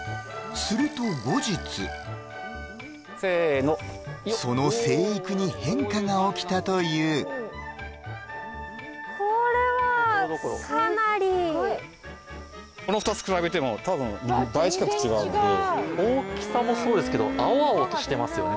すると後日せーのよっその生育に変化が起きたというこれはかなりこの２つ比べてもたぶん倍近く違う大きさもそうですけど青々としてますよね